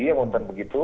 yang mungkin begitu